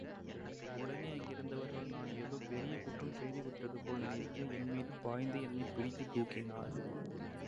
உடனே அங்கிருந்தவர்கள் நான் ஏதோ பெரிய குற்றம் செய்து விட்டதுபோல் நினைத்து என்மீது பாய்ந்து என்னைப் பிடித்துத் தூக்கினார்கள்.